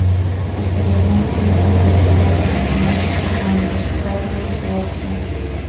Posteriormente hizo un doctorado en finanzas por la Universidad de Georgia.